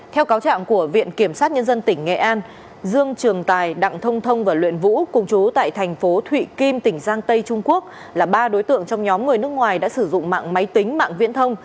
theo cáo trạng của viện kiểm sát nhân dân tỉnh nghệ an dương trường tài đặng thông thông và luyện vũ cùng chú tại thành phố thụy kim tỉnh giang tây trung quốc là ba đối tượng trong nhóm người nước ngoài đã sử dụng mạng máy tính mạng viễn thông